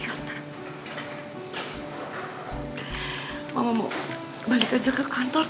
karena dia sampai di mana saja mau keluar sendiri